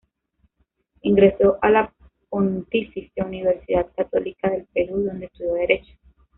Ingresó a la Pontificia Universidad Católica del Perú, donde estudió Derecho.